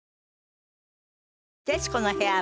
『徹子の部屋』は